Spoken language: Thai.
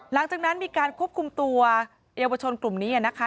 หลังจากนั้นมีการควบคุมตัวเยาวชนกลุ่มนี้นะคะ